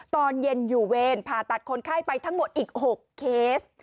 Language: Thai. ตอนเย็นอยู่เวรผ่าตัดคนไข้ไปทั้งหมดอีก๖เคส